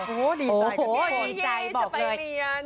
โอ้โหดีจ่ายเย้เดี๋ยวไปเรียน